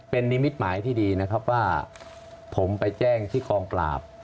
เป็นนิมิตหมายที่ดีนะครับว่าผมไปแจ้งที่กองปราบ